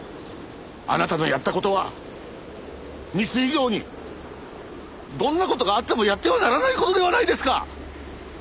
あなたのやった事はミス以上にどんな事があってもやってはならない事ではないですか！